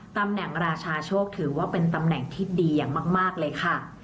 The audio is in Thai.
ตำแหน่งราชาโชคถือว่าเป็นตำแหน่งที่ดีอย่างมากเลยค่ะ